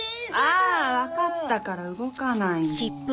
あ分かったから動かない。